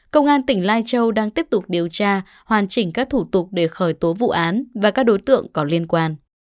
công an tỉnh lai châu đang tiếp tục điều tra hoàn chỉnh các thủ tục để khởi tố vụ án và các đối tượng có liên quan